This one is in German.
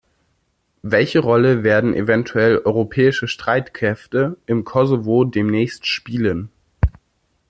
Welche Rolle werden eventuell europäische Streitkräfte im Kosovo demnächst spielen?